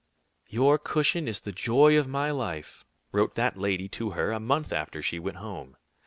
"Your cushion is the joy of my life," wrote that lady to her a month after she went home.